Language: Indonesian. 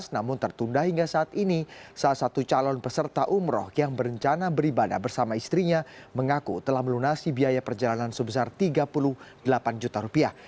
namun tertunda hingga saat ini salah satu calon peserta umroh yang berencana beribadah bersama istrinya mengaku telah melunasi biaya perjalanan sebesar tiga puluh delapan juta rupiah